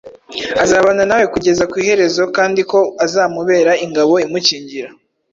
azabana nawe kugeza ku iherezo kandi ko azamubera ingabo imukingira,